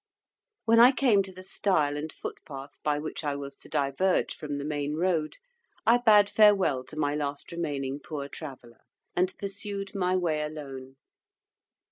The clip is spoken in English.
When I came to the stile and footpath by which I was to diverge from the main road, I bade farewell to my last remaining Poor Traveller, and pursued my way alone.